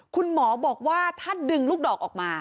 คุณหมอบอกว่าถ้าดึงลูกดอกออกมา